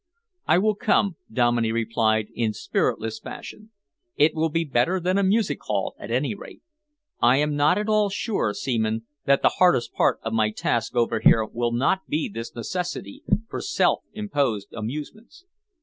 "I will come," Dominey replied in spiritless fashion. "It will be better than a music hall, at any rate. I am not at all sure, Seaman, that the hardest part of my task over here will not be this necessity for self imposed amusements."